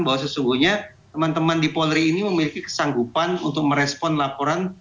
bahwa sesungguhnya teman teman di polri ini memiliki kesanggupan untuk merespon laporan